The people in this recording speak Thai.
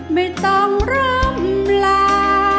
ไม่ต้องร่มลา